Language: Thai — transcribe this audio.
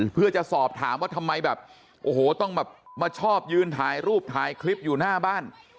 เพื่อจะสอบถามว่าทำไมแบบโอ้โหต้องแบบมาชอบยืนถ่ายรูปถ่ายคลิปอยู่หน้าบ้าน